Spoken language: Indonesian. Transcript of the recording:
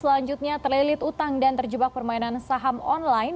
selanjutnya terlilit utang dan terjebak permainan saham online